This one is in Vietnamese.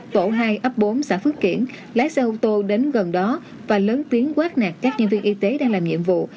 tổ hai ấp bốn xã phước kiển lái xe ô tô đến gần đó và lớn tiếng quát nạt các nhân viên y tế đang làm nhiệm vụ